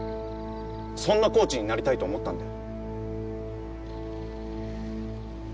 そんなコーチになりたいと思ったんだよ。